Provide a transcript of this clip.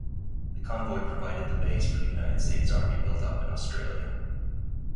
The convoy provided the base for the United States Army buildup in Australia.